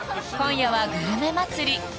今夜はグルメ祭り！